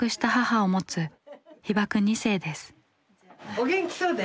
お元気そうで。